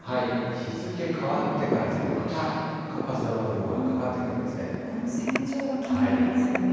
日付変わってからですね、また活発な雨雲がかかってくるんでこの線状が気になりますよね。